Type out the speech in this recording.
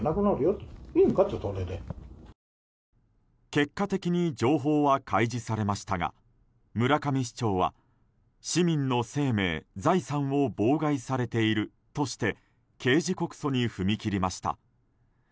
結果的に情報は開示されましたが、村上市長は市民の生命財産を妨害されているとして刑事告訴に踏み切りました。